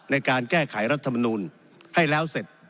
ในการแก้ไขรัฐมนูลให้แล้วเสร็จ